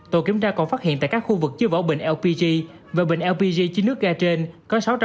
tổ kiểm tra còn phát hiện tại các khu vực chứa vỏ bình lpg và bình lpg chứa nước ga trên có sáu trăm ba mươi hai niêm màng co